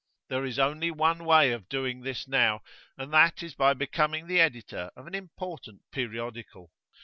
There is only one way of doing this now, and that is by becoming the editor of an important periodical.